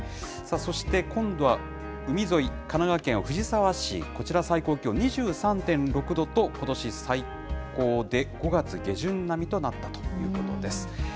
そして今度は海沿い、神奈川県藤沢市、こちら、最高気温２３．６度と、ことし最高で、５月下旬並みとなったということです。